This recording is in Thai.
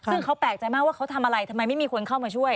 ซึ่งเขาแปลกใจมากว่าเขาทำอะไรทำไมไม่มีคนเข้ามาช่วย